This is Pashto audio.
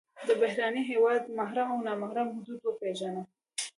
د بهرني هېواد د محرم او نا محرم حدود وپېژنه.